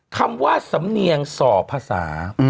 คำว่าสำเนียงส่อภาษา